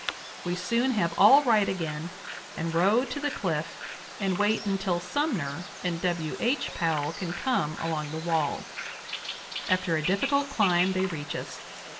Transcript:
We soon have all right again, and row to the cliff, and wait until Sunnier and [W. H.] Powell can come [along the wall]. After a difficult climb they reach us.